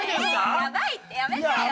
ヤバいってやめてよ！